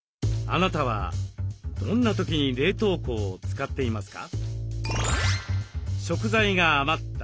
あなたはどんな時に冷凍庫を使っていますか？